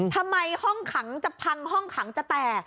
ทำไมห้องขังจะพังห้องขังจะแตก